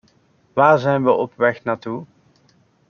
Waar zijn we op weg naartoe?